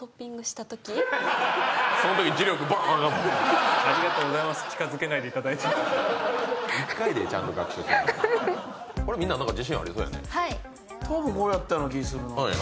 たぶんこれやったような気するな。